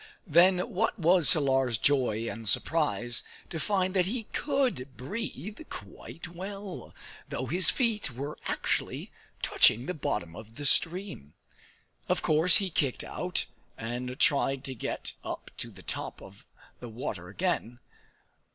Then what was Salar's joy and surprise to find that he could breathe quite well, though his feet were actually touching the bottom of the stream. Of course he kicked out, and tried to get up to the top of the water again.